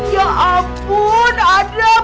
ya ampun adam